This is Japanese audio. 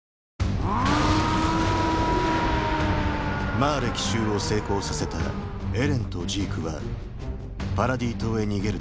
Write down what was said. マーレ奇襲を成功させたエレンとジークはパラディ島へ逃げる